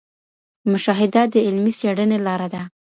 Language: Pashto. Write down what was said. مشاهده د علمي څېړنې لاره ده.